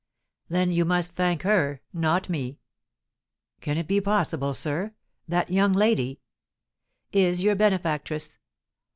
"Then you must thank her, not me." "Can it be possible, sir? That young lady " "Is your benefactress.